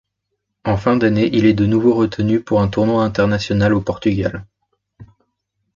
En fin d'année, il est de nouveau retenu pour un tournoi international au Portugal.